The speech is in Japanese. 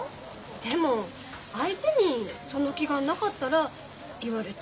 でも相手にその気がなかったら言われても迷惑でしょ？